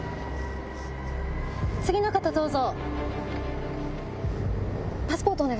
次の方どうぞ。